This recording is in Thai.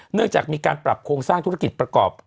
เนื่องจากมีการปรับโครงสร้างธุรกิจประกอบ